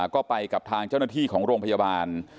ก็ไปกับทางเจ้าหน้าที่ของโรงพยาบาล